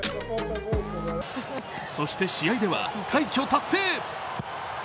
そして試合では快挙達成。